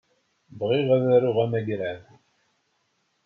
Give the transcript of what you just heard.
Bɣiɣ ad d-aruɣ amagrad.